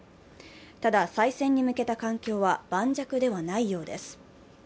ただ、再選に向けた環境は盤石ではないようです。